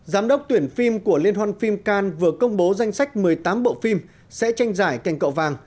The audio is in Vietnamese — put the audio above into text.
giám đốc tuyển phim của liên hoan phim can vừa công bố danh sách một mươi tám bộ phim sẽ tranh giải cành cậu vàng